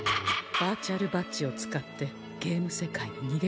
バーチャルバッジを使ってゲーム世界ににげこむとは。